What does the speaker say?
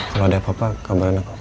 kalau ada apa apa kabarnya kok